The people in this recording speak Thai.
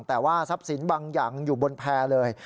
แต่ว่าทรัพย์สินบางอย่างอยู่บนแพร่เลย